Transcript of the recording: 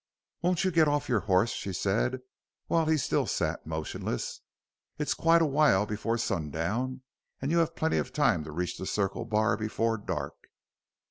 "Won't you get off your horse?" she said while he still sat motionless. "It's quite a while before sundown and you have plenty of time to reach the Circle Bar before dark."